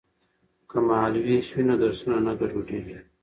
که مهال ویش وي نو درسونه نه ګډوډیږي.